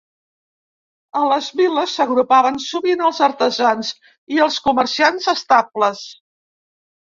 A les viles s'agrupaven sovint els artesans i els comerciants estables.